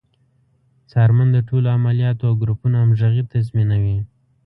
څارمن د ټولو عملیاتو او ګروپونو همغږي تضمینوي.